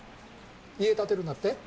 家建てるんだって？